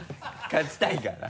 勝ちたいから。